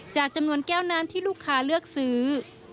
จากจำนวนแก้วน้ำที่ลูกค้าเลือกซื้อ